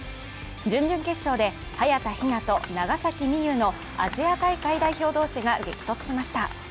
準々決勝で早田ひなと長崎美柚のアジア大会代表同士が激突しました。